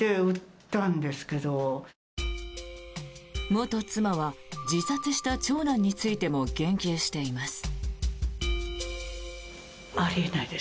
元妻は自殺した長男についても言及しています。